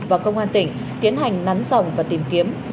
và công an tỉnh tiến hành nắn dòng và tìm kiếm